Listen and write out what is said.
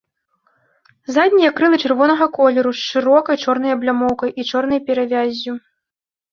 Заднія крылы чырвонага колеру, з шырокай чорнай аблямоўкай і чорнай перавяззю.